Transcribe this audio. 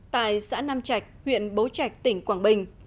tại xã nam trạch huyện bố trạch tỉnh quảng bình